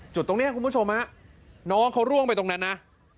จุดตรงนี้คุณผู้ชมฮะน้องเขาร่วงไปตรงนั้นนะ